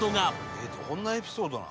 「えっどんなエピソードなの？」